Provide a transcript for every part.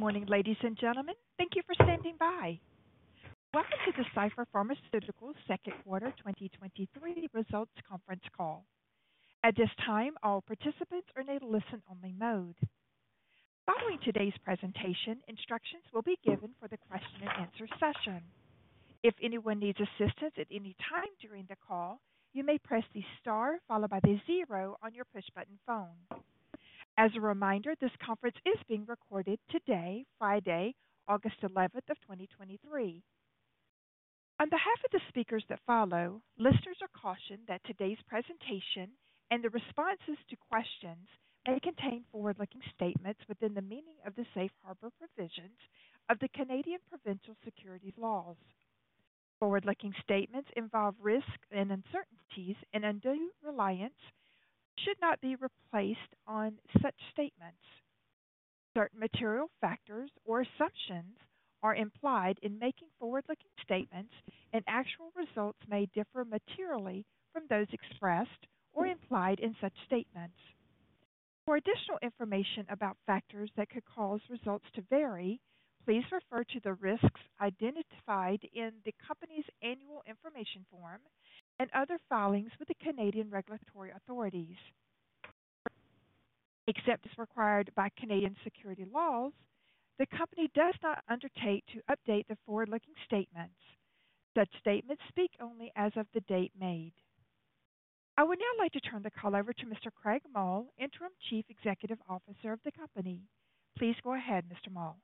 Good morning, ladies and gentlemen. Thank you for standing by. Welcome to the Cipher Pharmaceuticals second quarter 2023 results conference call. At this time, all participants are in a listen-only mode. Following today's presentation, instructions will be given for the question and answer session. If anyone needs assistance at any time during the call, you may press the star followed by the zero on your push-button phone. As a reminder, this conference is being recorded today, Friday, August 11th, 2023. On behalf of the speakers that follow, listeners are cautioned that today's presentation and the responses to questions may contain forward-looking statements within the meaning of the safe harbor provisions of the Canadian provincial securities laws. Forward-looking statements involve risks and uncertainties, and undue reliance should not be replaced on such statements. Certain material factors or assumptions are implied in making forward-looking statements, and actual results may differ materially from those expressed or implied in such statements. For additional information about factors that could cause results to vary, please refer to the risks identified in the company's Annual Information Form and other filings with the Canadian regulatory authorities. Except as required by Canadian securities laws, the company does not undertake to update the forward-looking statements. Such statements speak only as of the date made. I would now like to turn the call over to Mr. Craig Mull, Interim Chief Executive Officer of the company. Please go ahead, Mr. Mull.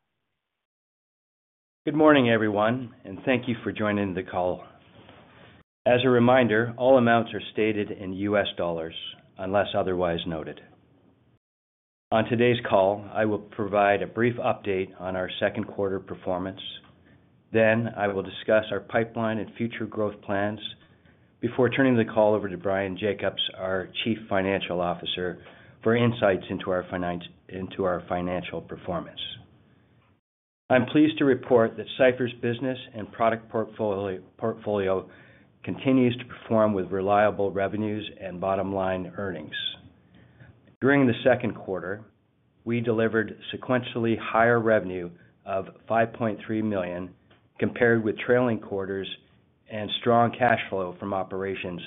Good morning, everyone, thank you for joining the call. As a reminder, all amounts are stated in U.S. dollars unless otherwise noted. On today's call, I will provide a brief update on our second quarter performance. I will discuss our pipeline and future growth plans before turning the call over to Bryan Jacobs, our Chief Financial Officer, for insights into our financial performance. I'm pleased to report that Cipher's business and product portfolio continues to perform with reliable revenues and bottom-line earnings. During the second quarter, we delivered sequentially higher revenue of $5.3 million compared with trailing quarters and strong cash flow from operations,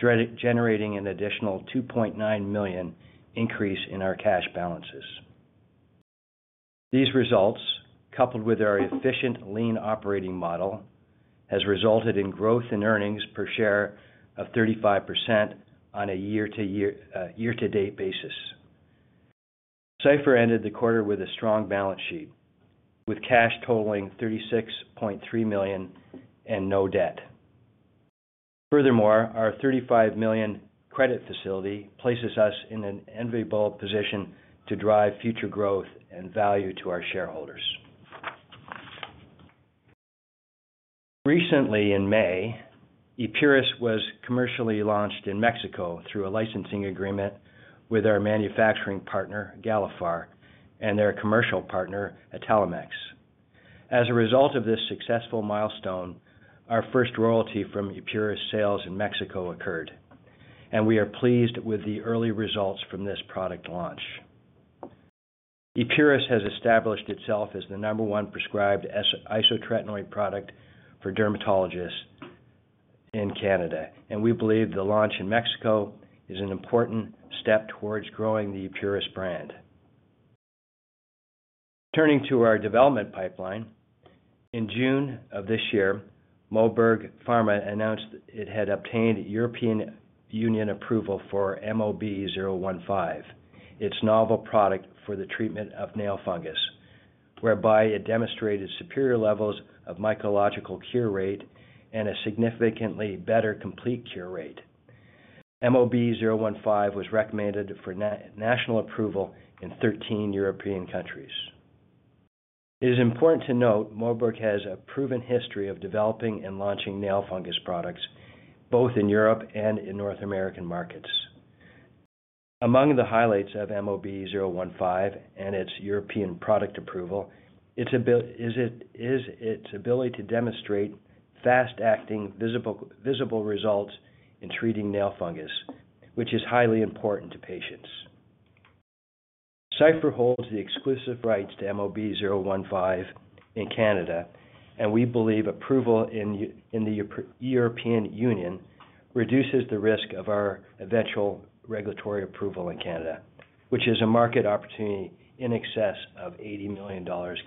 generating an additional $2.9 million increase in our cash balances. These results, coupled with our efficient lean operating model, has resulted in growth in earnings per share of 35% on a year-to-year, year-to-date basis. Cipher ended the quarter with a strong balance sheet, with cash totaling $36.3 million and no debt. Furthermore, our $35 million credit facility places us in an enviable position to drive future growth and value to our shareholders. Recently, in May, Epuris was commercially launched in Mexico through a licensing agreement with our manufacturing partner, Galephar, and their commercial partner, Italmex. As a result of this successful milestone, our first royalty from Epuris sales in Mexico occurred, and we are pleased with the early results from this product launch. Epuris has established itself as the number one prescribed isotretinoin product for dermatologists in Canada, and we believe the launch in Mexico is an important step towards growing the Epuris brand. Turning to our development pipeline, in June of this year, Moberg Pharma announced it had obtained European Union approval for MOB-015, its novel product for the treatment of nail fungus, whereby it demonstrated superior levels of mycological cure rate and a significantly better complete cure rate. MOB-015 was recommended for national approval in 13 European countries. It is important to note, Moberg has a proven history of developing and launching nail fungus products both in Europe and in North American markets. Among the highlights of MOB-015 and its European product approval, is its ability to demonstrate fast-acting, visible results in treating nail fungus, which is highly important to patients. Cipher holds the exclusive rights to MOB-015 in Canada. We believe approval in the European Union reduces the risk of our eventual regulatory approval in Canada, which is a market opportunity in excess of 80 million Canadian dollars.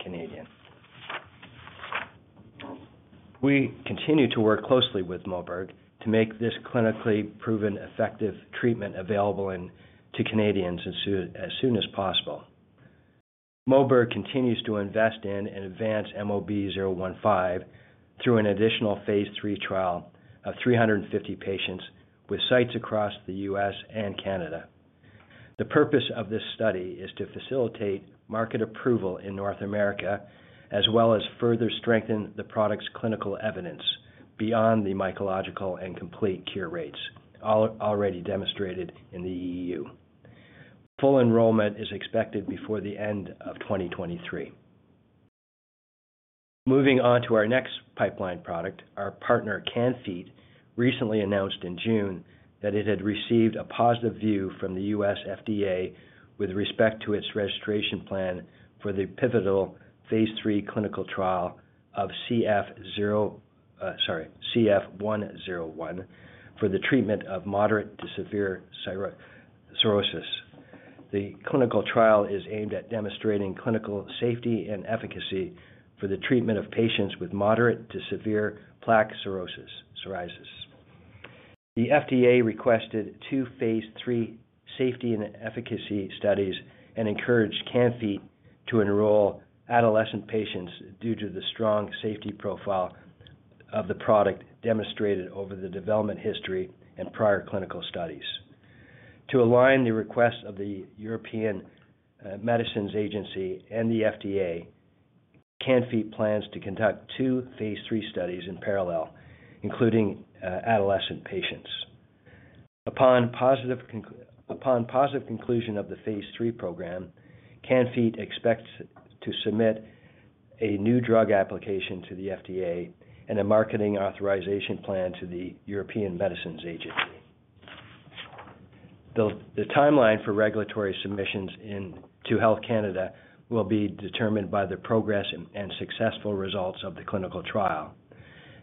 We continue to work closely with Moberg to make this clinically proven, effective treatment available to Canadians as soon as possible. Moberg continues to invest in and advance MOB-015 through an additional phase III trial of 350 patients with sites across the US and Canada. The purpose of this study is to facilitate market approval in North America, as well as further strengthen the product's clinical evidence beyond the mycological and complete cure rates already demonstrated in the E.U. Full enrollment is expected before the end of 2023. Moving on to our next pipeline product, our partner, Can-Fite, recently announced in June that it had received a positive view from the U.S. FDA with respect to its registration plan for the pivotal Phase III clinical trial of CF-101, for the treatment of moderate to severe psoriasis. The clinical trial is aimed at demonstrating clinical safety and efficacy for the treatment of patients with moderate to severe plaque psoriasis. The FDA requested two Phase III safety and efficacy studies and encouraged Can-Fite to enroll adolescent patients due to the strong safety profile of the product demonstrated over the development history and prior clinical studies. To align the request of the European Medicines Agency and the FDA, Can-Fite plans to conduct two Phase III studies in parallel, including adolescent patients. Upon positive conclusion of the Phase III program, Can-Fite expects to submit a New Drug Application to the FDA and a marketing authorization plan to the European Medicines Agency. The timeline for regulatory submissions to Health Canada will be determined by the progress and successful results of the clinical trial,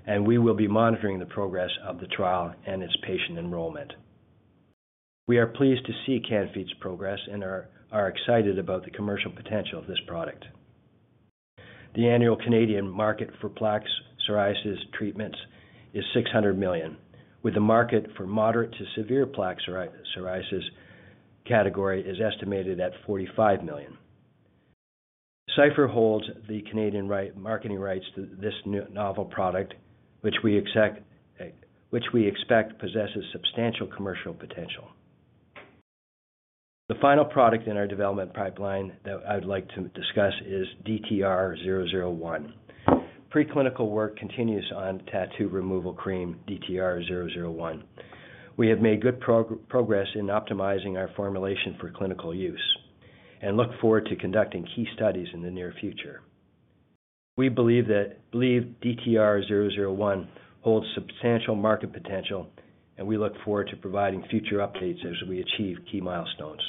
and we will be monitoring the progress of the trial and its patient enrollment. We are pleased to see Can-Fite's progress and are excited about the commercial potential of this product. The annual Canadian market for plaque psoriasis treatments is $600 million, with the market for moderate to severe plaque psoriasis category is estimated at $45 million. Cipher holds the Canadian marketing rights to this new novel product, which we expect, which we expect possesses substantial commercial potential. The final product in our development pipeline that I would like to discuss is DTR-001. Preclinical work continues on tattoo removal cream, DTR-001. We have made good progress in optimizing our formulation for clinical use and look forward to conducting key studies in the near future. We believe DTR-001 holds substantial market potential, and we look forward to providing future updates as we achieve key milestones.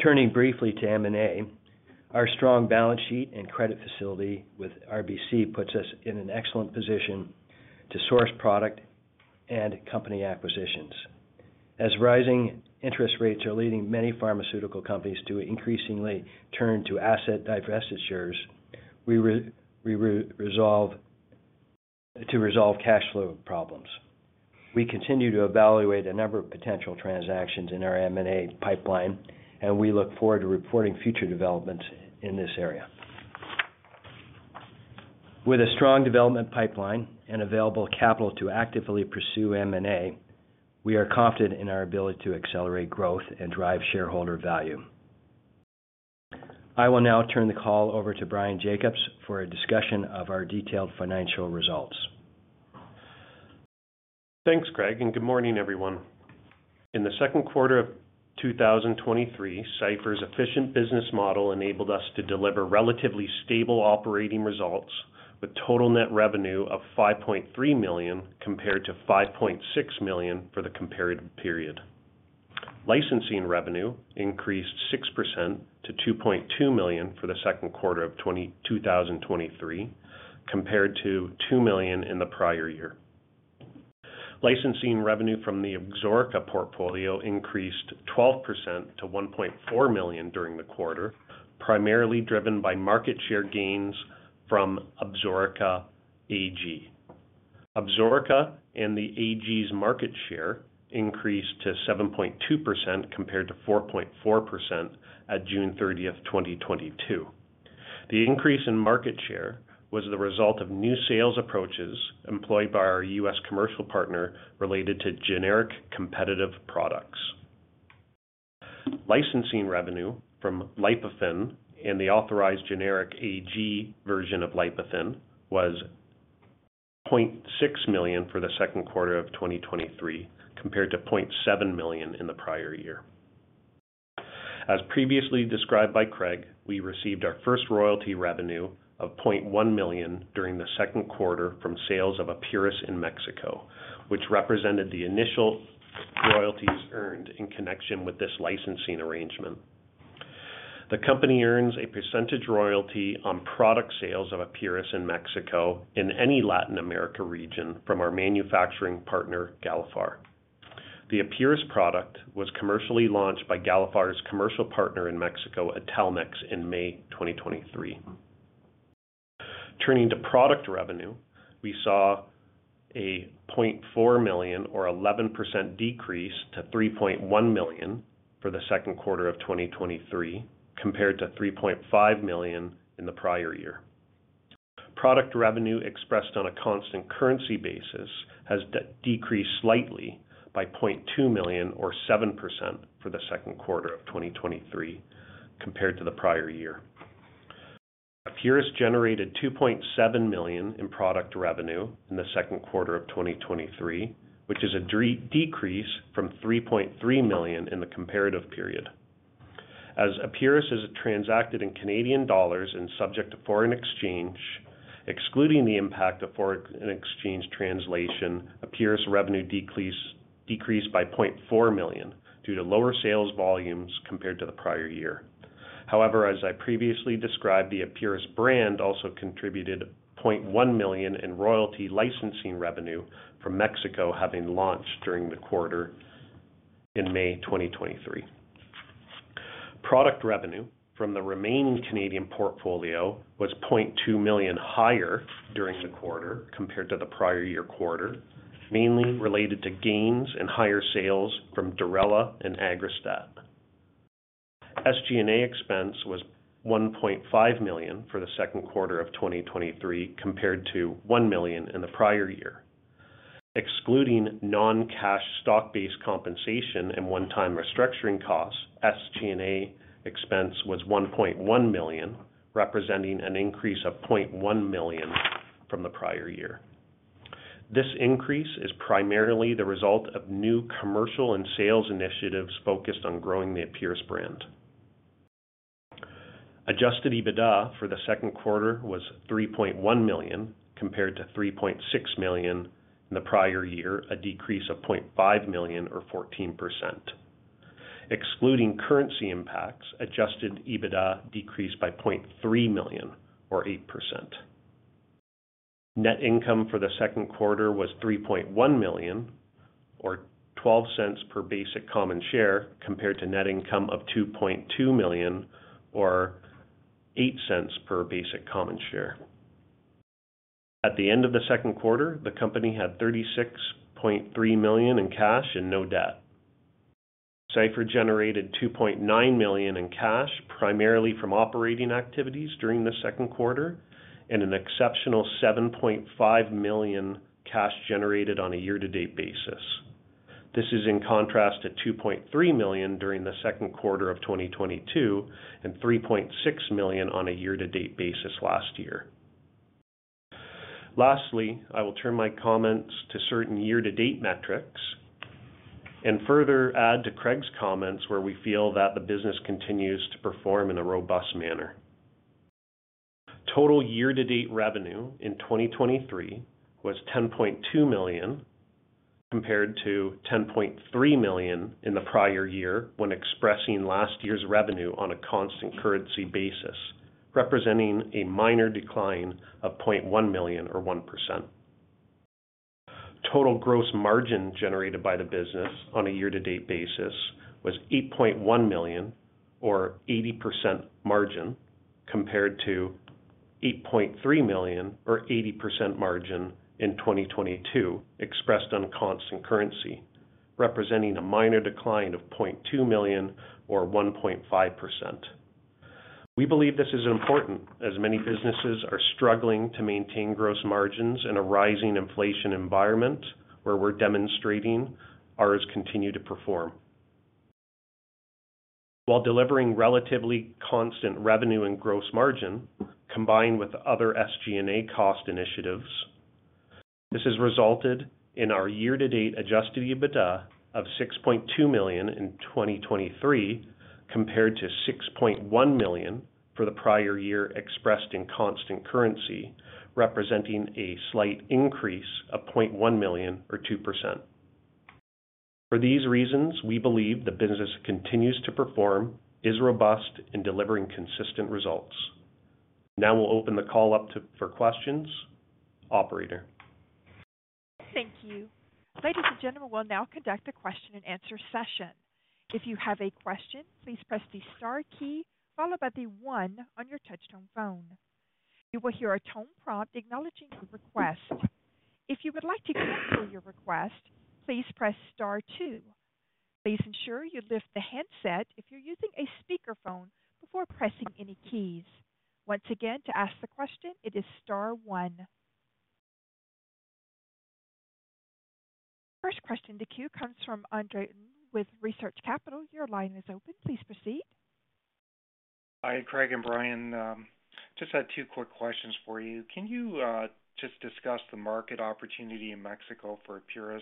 Turning briefly to M&A, our strong balance sheet and credit facility with RBC puts us in an excellent position to source product and company acquisitions. Rising interest rates are leading many pharmaceutical companies to increasingly turn to asset divestitures, to resolve cash flow problems. We continue to evaluate a number of potential transactions in our M&A pipeline, and we look forward to reporting future developments in this area. With a strong development pipeline and available capital to actively pursue M&A, we are confident in our ability to accelerate growth and drive shareholder value. I will now turn the call over to Bryan Jacobs for a discussion of our detailed financial results. Thanks, Craig, and good morning, everyone. In the second quarter of 2023, Cipher's efficient business model enabled us to deliver relatively stable operating results, with total net revenue of $5.3 million, compared to $5.6 million for the comparative period. Licensing revenue increased 6% to $2.2 million for the second quarter of 2023, compared to $2 million in the prior year. Licensing revenue from the Absorica portfolio increased 12% to $1.4 million during the quarter, primarily driven by market share gains from Absorica AG. Absorica and the AG's market share increased to 7.2%, compared to 4.4% at June 30, 2022. The increase in market share was the result of new sales approaches employed by our U.S. commercial partner related to generic competitive products. Licensing revenue from Lipofen and the authorized generic AG version of Lipofen was $0.6 million for the second quarter of 2023, compared to $0.7 million in the prior year. As previously described by Craig, we received our first royalty revenue of $0.1 million during the second quarter from sales of Epuris in Mexico, which represented the initial royalties earned in connection with this licensing arrangement. The company earns a percentage royalty on product sales of Epuris in Mexico in any Latin America region from our manufacturing partner, Galephar. The Epuris product was commercially launched by Galephar's commercial partner in Mexico, Italmex, in May 2023. Turning to product revenue, we saw a $0.4 million or 11% decrease to $3.1 million for the second quarter of 2023, compared to $3.5 million in the prior year. Product revenue, expressed on a constant currency basis, has decreased slightly by $0.2 million or 7% for the second quarter of 2023 compared to the prior year. Epuris generated $2.7 million in product revenue in the second quarter of 2023, which is a decrease from $3.3 million in the comparative period. As Epuris is transacted in Canadian dollars and subject to foreign exchange, excluding the impact of foreign exchange translation, Epuris revenue decreased by $0.4 million due to lower sales volumes compared to the prior year. However, as I previously described, the Epuris brand also contributed $0.1 million in royalty licensing revenue from Mexico, having launched during the quarter in May 2023. Product revenue from the remaining Canadian portfolio was $0.2 million higher during the quarter compared to the prior year quarter, mainly related to gains and higher sales from Durela and Aggrastat. SG&A expense was $1.5 million for the second quarter of 2023, compared to $1 million in the prior year. Excluding non-cash stock-based compensation and one-time restructuring costs, SG&A expense was $1.1 million, representing an increase of $0.1 million from the prior year. This increase is primarily the result of new commercial and sales initiatives focused on growing the Epuris brand. Adjusted EBITDA for the second quarter was $3.1 million, compared to $3.6 million in the prior year, a decrease of $0.5 million or 14%. Excluding currency impacts, Adjusted EBITDA decreased by $0.3 million or 8%. Net income for the second quarter was $3.1 million or $0.12 per basic common share, compared to net income of $2.2 million or $0.08 per basic common share. At the end of the second quarter, the company had $36.3 million in cash and no debt. Cipher generated $2.9 million in cash, primarily from operating activities during the second quarter and an exceptional $7.5 million cash generated on a year-to-date basis. This is in contrast to $2.3 million during the second quarter of 2022 and $3.6 million on a year-to-date basis last year. Lastly, I will turn my comments to certain year-to-date metrics and further add to Craig's comments, where we feel that the business continues to perform in a robust manner. Total year-to-date revenue in 2023 was $10.2 million, compared to $10.3 million in the prior year, when expressing last year's revenue on a constant currency basis, representing a minor decline of $0.1 million or 1%. Total gross margin generated by the business on a year-to-date basis was $8.1 million or 80% margin, compared to $8.3 million or 80% margin in 2022, expressed on constant currency, representing a minor decline of $0.2 million or 1.5%. We believe this is important as many businesses are struggling to maintain gross margins in a rising inflation environment where we're demonstrating ours continue to perform. While delivering relatively constant revenue and gross margin combined with other SG&A cost initiatives, this has resulted in our year-to-date Adjusted EBITDA of $6.2 million in 2023, compared to $6.1 million for the prior year, expressed in constant currency, representing a slight increase of $0.1 million or 2%. For these reasons, we believe the business continues to perform, is robust and delivering consistent results. We'll open the call up for questions. Operator? Thank you. Ladies and gentlemen, we'll now conduct a question-and-answer session. If you have a question, please press the star key followed by the one on your touchtone phone. You will hear a tone prompt acknowledging your request. If you would like to cancel your request, please press star two. Please ensure you lift the handset if you're using a speakerphone before pressing any keys. Once again, to ask the question, it is star one. First question in the queue comes from Andre with Research Capital. Your line is open. Please proceed. Hi, Craig and Bryan. Just had two quick questions for you. Can you just discuss the market opportunity in Mexico for Epuris?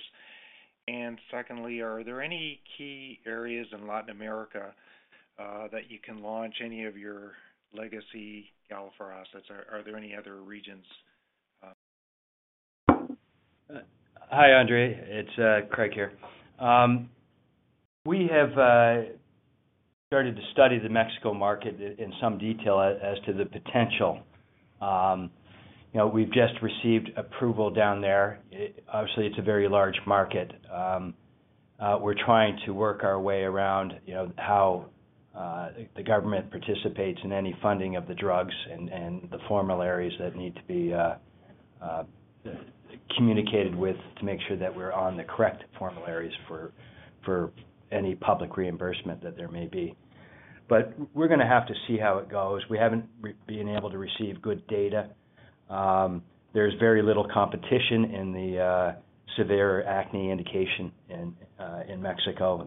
Secondly, are there any key areas in Latin America that you can launch any of your legacy Galderma assets? Are there any other regions? Hi, Andre, it's Craig here. We have started to study the Mexico market in, in some detail as to the potential. You know, we've just received approval down there. Obviously, it's a very large market. We're trying to work our way around, you know, how the government participates in any funding of the drugs and, and the formularies that need to be communicated with to make sure that we're on the correct formularies for, for any public reimbursement that there may be. We're gonna have to see how it goes. We haven't been able to receive good data. There's very little competition in the severe acne indication in Mexico.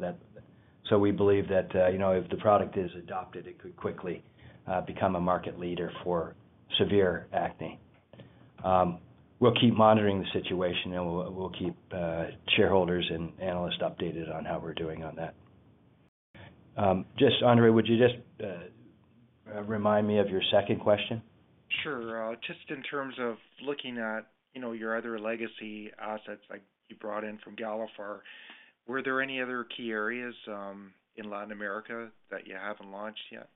We believe that, you know, if the product is adopted, it could quickly become a market leader for severe acne. We'll keep monitoring the situation, and we'll, we'll keep shareholders and analysts updated on how we're doing on that. Just Andre, would you just remind me of your second question? Sure. Just in terms of looking at, you know, your other legacy assets like you brought in from Galephar, were there any other key areas in Latin America that you haven't launched yet?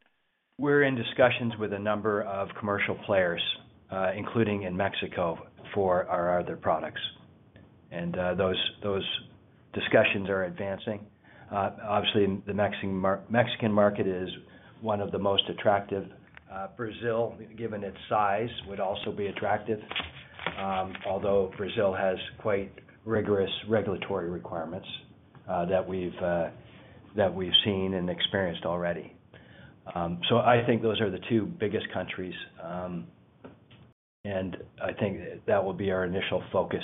We're in discussions with a number of commercial players, including in Mexico, for our other products. Those discussions are advancing. Obviously, the Mexican market is one of the most attractive. Brazil, given its size, would also be attractive, although Brazil has quite rigorous regulatory requirements that we've seen and experienced already. I think those are the two biggest countries. I think that will be our initial focus.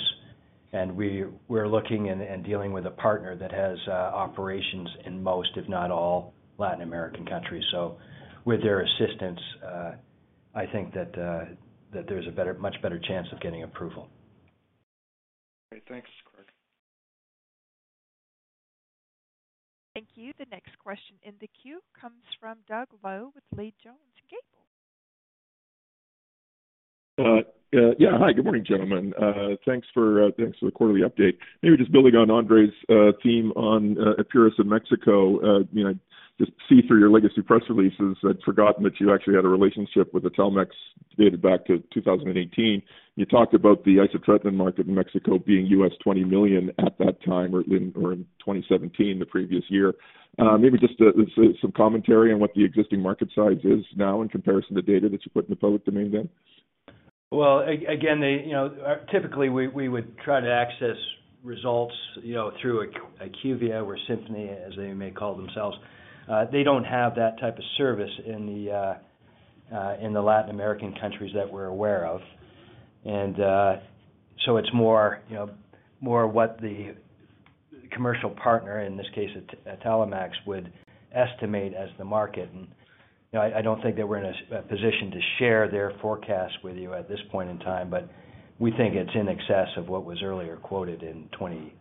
We're looking and dealing with a partner that has operations in most, if not all, Latin American countries. With their assistance, I think that there's a much better chance of getting approval. Great. Thanks. Thank you. The next question in the queue comes from Douglas Loe with Leede Jones Gable. Yeah. Hi, good morning, gentlemen. Thanks for, thanks for the quarterly update. Maybe just building on Andre's theme on Epuris in Mexico. You know, just see through your legacy press releases, I'd forgotten that you actually had a relationship with the Italmex, dated back to 2018. You talked about the isotretinoin market in Mexico being $20 million at that time or in, or in 2017, the previous year. Maybe just some commentary on what the existing market size is now in comparison to data that you put in the public domain then. Well, again, they, you know, typically, we, we would try to access results, you know, through IQVIA or Symphony, as they may call themselves. They don't have that type of service in the Latin American countries that we're aware of. So it's more, you know, more what the commercial partner, in this case, Italmex, would estimate as the market. You know, I, I don't think they were in a position to share their forecast with you at this point in time, but we think it's in excess of what was earlier quoted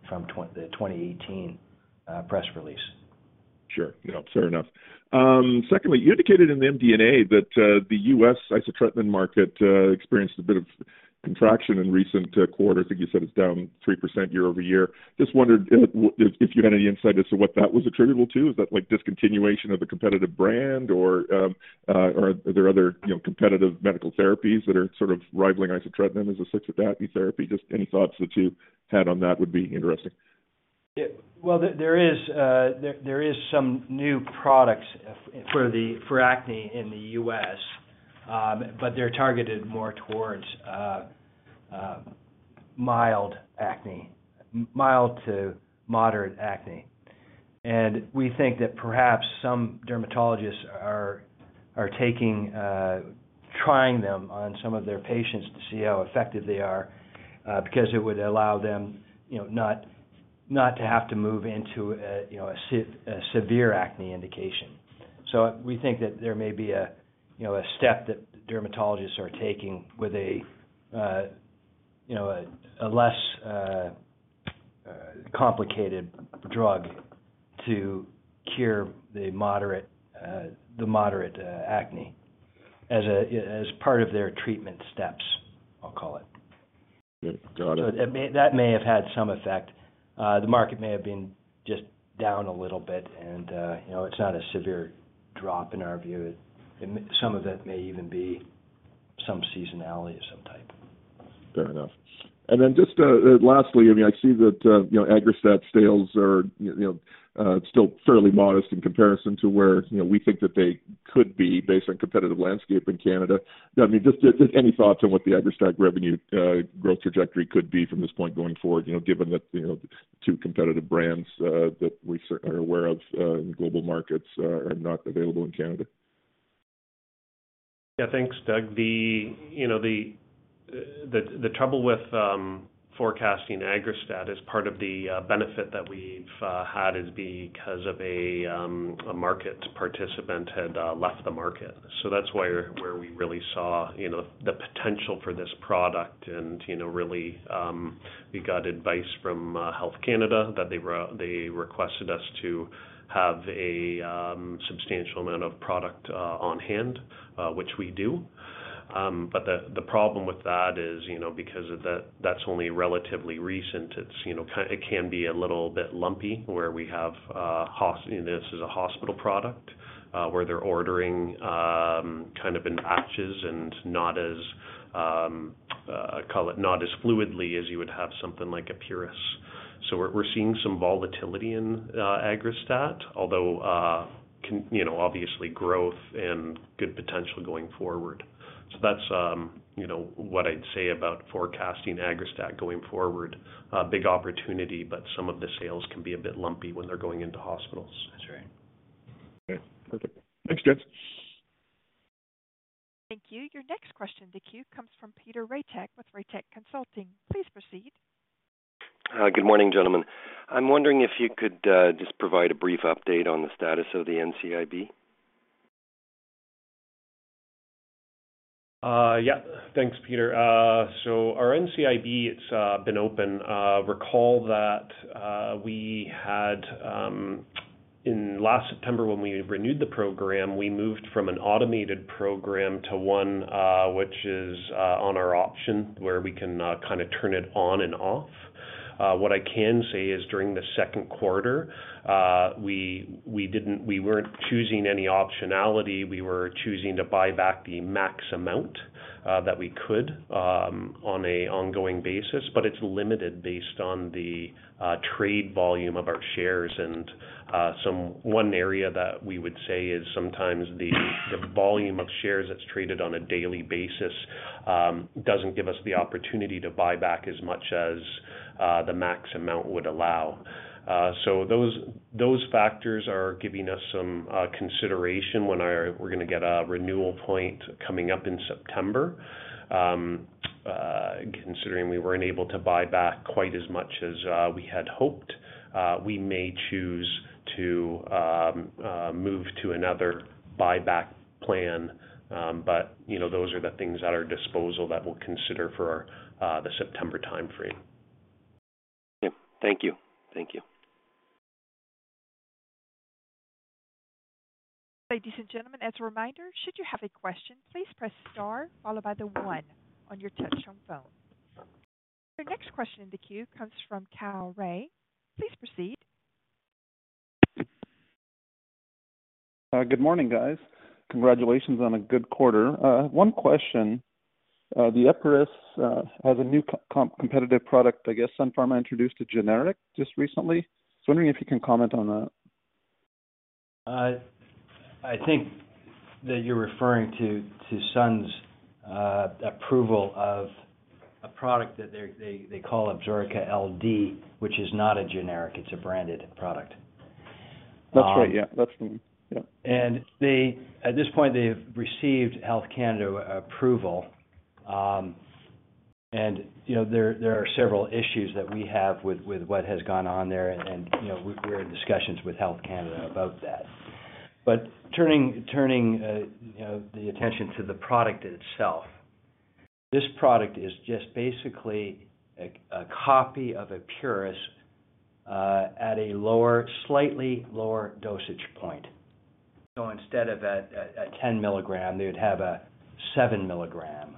from the 2018 press release. Sure. You know, fair enough. Secondly, you indicated in the MD&A that the U.S. isotretinoin market experienced a bit of contraction in recent quarters. I think you said it's down 3% year-over-year. Just wondered if you had any insight as to what that was attributable to. Is that, like, discontinuation of a competitive brand, or are there other, you know, competitive medical therapies that are sort of rivaling isotretinoin as a sixth acne therapy? Just any thoughts that you've had on that would be interesting. Yeah. Well, there, there is, there, there is some new products for the, for acne in the U.S., but they're targeted more towards mild acne, mild to moderate acne. We think that perhaps some dermatologists are, are taking, trying them on some of their patients to see how effective they are, because it would allow them, you know, not, not to have to move into a, you know, a severe acne indication. We think that there may be a, you know, a step that dermatologists are taking with a, you know, a less complicated drug to cure the moderate, the moderate acne as a, as part of their treatment steps, I'll call it. Got it. That may, that may have had some effect. The market may have been just down a little bit and, you know, it's not a severe drop in our view. Some of it may even be some seasonality of some type. Fair enough. Then just, lastly, I mean, I see that, you know, Aggrastat sales are, you know, still fairly modest in comparison to where, you know, we think that they could be based on competitive landscape in Canada. I mean, just any thoughts on what the Aggrastat revenue growth trajectory could be from this point going forward, you know, given that, you know, two competitive brands that we are aware of in global markets are not available in Canada? Yeah, thanks, Doug. The, you know, the, the, the trouble with forecasting Aggrastat is part of the benefit that we've had is because of a market participant had left the market. That's where we really saw, you know, the potential for this product. You know, really, we got advice from Health Canada, that they requested us to have a substantial amount of product on hand, which we do. The problem with that is, you know, because of that's only relatively recent, it's, you know, it can be a little bit lumpy, where we have, this is a hospital product, where they're ordering, kind of in batches and not as, call it, not as fluidly as you would have something like Epuris. We're, we're seeing some volatility in Aggrastat, although, can, you know, obviously growth and good potential going forward. That's, you know, what I'd say about forecasting Aggrastat going forward. A big opportunity, but some of the sales can be a bit lumpy when they're going into hospitals. Okay, perfect. Thanks, guys. Thank you. Your next question in the queue comes from Peter Ratech with Ratech Consulting. Please proceed. Good morning, gentlemen. I'm wondering if you could just provide a brief update on the status of the NCIB? Yeah, thanks, Peter. So our NCIB, it's been open. Recall that we had in last September, when we renewed the program, we moved from an automated program to one, which is on our option, where we can kind of turn it on and off. What I can say is, during the second quarter, we didn't-- we weren't choosing any optionality. We were choosing to buy back the max amount that we could on an ongoing basis. But it's limited based on the trade volume of our shares. And some... One area that we would say is sometimes the volume of shares that's traded on a daily basis doesn't give us the opportunity to buy back as much as the max amount would allow. Those, those factors are giving us some consideration when we're going to get a renewal point coming up in September. Considering we weren't able to buy back quite as much as we had hoped, we may choose to move to another buyback plan. You know, those are the things at our disposal that we'll consider for our the September time frame. Yep. Thank you. Thank you. Ladies and gentlemen, as a reminder, should you have a question, please press star followed by the 1 on your touchtone phone. Your next question in the queue comes from Cal Ray. Please proceed. Good morning, guys. Congratulations on a good quarter. One question. The Epuris has a new com- competitive product. I guess Sun Pharma introduced a generic just recently. Just wondering if you can comment on that. I think that you're referring to, to Sun's approval of a product that they call Absorica LD, which is not a generic, it's a branded product. That's right. Yeah, that's... Yep. They, at this point, they've received Health Canada approval. You know, there, there are several issues that we have with, with what has gone on there. You know, we're, we're in discussions with Health Canada about that. Turning, turning, you know, the attention to the product itself. This product is just basically a, a copy of Epuris, at a lower, slightly lower dosage point. So instead of a, a, a 10 mg, they would have a 7 mg.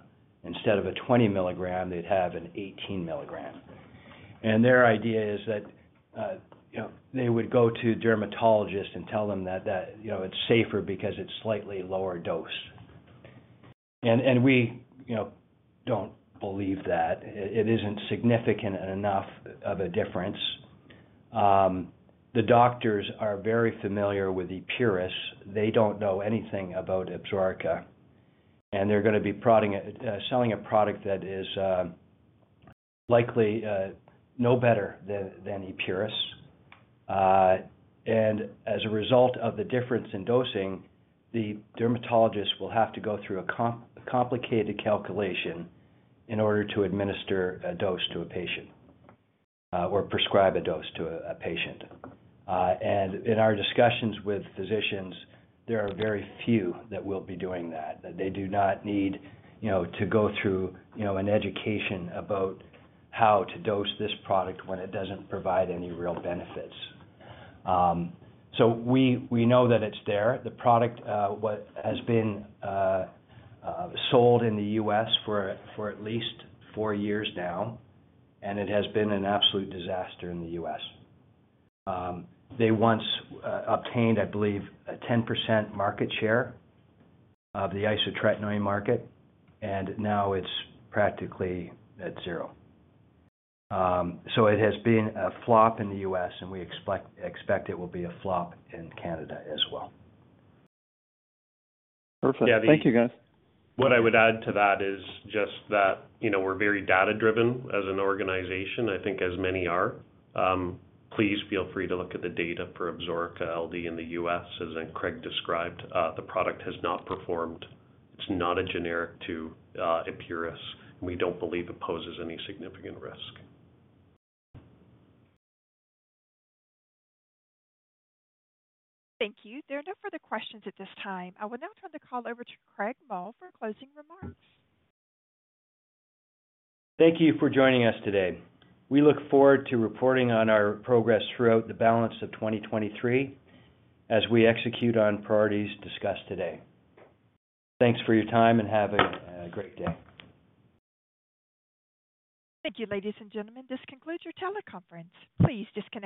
Instead of a 20 mg, they'd have an 18 mg. Their idea is that, you know, they would go to dermatologists and tell them that that, you know, it's safer because it's slightly lower dose. We, you know, don't believe that. It, it isn't significant enough of a difference. The doctors are very familiar with the Epuris. They don't know anything about Absorica. They're going to be prodding a selling a product that is likely no better than, than Epuris. As a result of the difference in dosing, the dermatologists will have to go through a complicated calculation in order to administer a dose to a patient, or prescribe a dose to a patient. In our discussions with physicians, there are very few that will be doing that. They do not need, you know, to go through, you know, an education about how to dose this product when it doesn't provide any real benefits. We, we know that it's there. The product what has been sold in the U.S. for at least four years now, and it has been an absolute disaster in the U.S. They once obtained, I believe, a 10% market share of the isotretinoin market, and now it's practically at zero. It has been a flop in the U.S., and we expect it will be a flop in Canada as well. Perfect. Thank you, guys. What I would add to that is just that, you know, we're very data-driven as an organization. I think as many are. Please feel free to look at the data for Absorica LD in the U.S. As then Craig described, the product has not performed. It's not a generic to Epuris. We don't believe it poses any significant risk. Thank you. There are no further questions at this time. I will now turn the call over to Craig Mull for closing remarks. Thank you for joining us today. We look forward to reporting on our progress throughout the balance of 2023, as we execute on priorities discussed today. Thanks for your time, and have a great day. Thank you, ladies and gentlemen. This concludes your teleconference. Please disconnect.